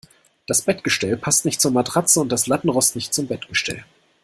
Das Bettgestell passt nicht zur Matratze und das Lattenrost nicht zum Bettgestell.